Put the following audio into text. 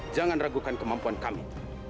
jangan ragukan kemampuan kami